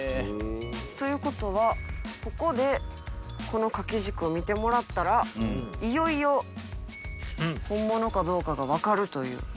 ということは、ここでこの掛け軸を見てもらったら、いよいよ本物かどうかが分かるという。